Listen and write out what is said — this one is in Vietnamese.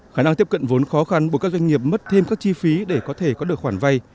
khả năng tiếp cận vốn khó khăn bởi các doanh nghiệp mất thêm các chi phí để có thể có được khoản vay